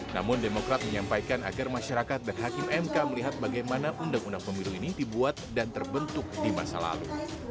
namun demokrat menyampaikan agar masyarakat dan hakim mk melihat bagaimana undang undang pemilu ini dibuat dan terbentuk di masa lalu